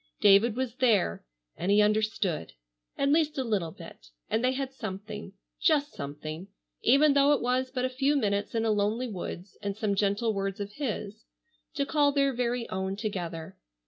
David was there and he understood, at least a little bit, and they had something,—just something, even though it was but a few minutes in a lonely woods and some gentle words of his,—to call their very own together.